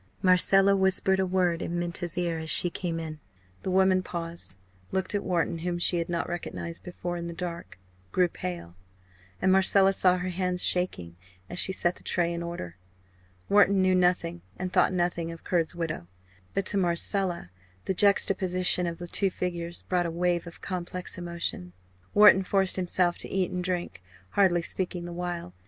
Marcella whispered a word in Minta's ear as she came in. The woman paused, looked at Wharton, whom she had not recognised before in the dark grew pale and Marcella saw her hands shaking as she set the tray in order. Wharton knew nothing and thought nothing of Kurd's widow, but to Marcella the juxtaposition of the two figures brought a wave of complex emotion. Wharton forced himself to eat and drink, hardly speaking the while.